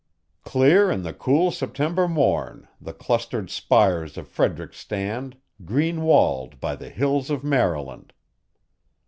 "Clear in the cool September morn, the clustered spires of Frederick stand, Green walled by the hills of Maryland